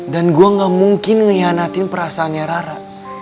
dan gua gak mungkin ngeyanatin perasaannya rara